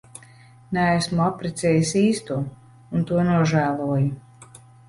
Neesmu apprecējis īsto un to nožēloju.